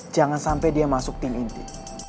jangan sampai dia masuk tim inti